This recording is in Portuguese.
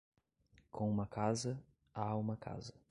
Com uma casa, há uma casa.